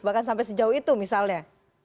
bahkan sampai sejauh itu misalnya